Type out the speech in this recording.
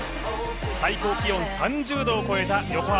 最高気温３０度を超えた横浜